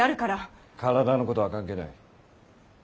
体のことは関係ない。